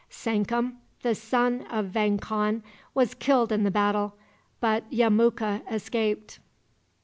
Sankum, the son of Vang Khan, was killed in the battle, but Yemuka escaped.